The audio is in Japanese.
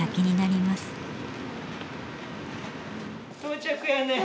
到着やね。